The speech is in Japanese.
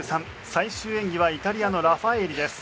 最終演技はイタリアのラファエーリです。